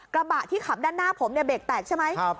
กระบะที่ขับด้านหน้าผมเนี่ยเบรกแตกใช่ไหม